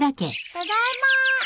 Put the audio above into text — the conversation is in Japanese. ただいま！